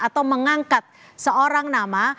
atau mengangkat seorang nama